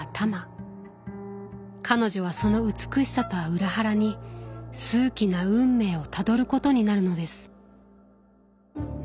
彼女はその美しさとは裏腹に数奇な運命をたどることになるのです。